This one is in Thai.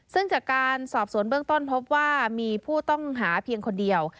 ซึ่งจากการสอบสวนเบื้องต้นพบว่ามีผู้ต้องหาเพียงคนเดียว